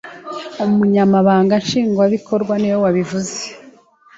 Umunyamabanga nshingwabikorwa niwe wabivuze